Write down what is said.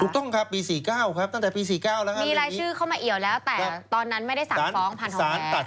ถูกต้องครับปี๔๙ครับตั้งแต่ปี๔๙แล้วครับ